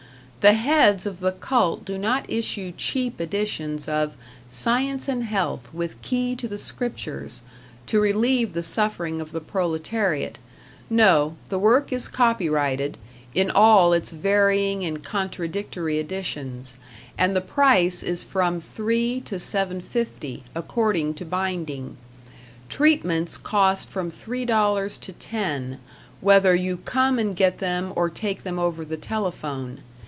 The heads of the cult do not issue cheap editions of "Science and Health, With Key to the Scriptures", to relieve the suffering of the proletariat; no the work is copyrighted, in all its varying and contradictory editions, and the price is from three to seven fifty, according to binding. Treatments cost from three dollars to ten, whether you come and get them or take them over the telephone.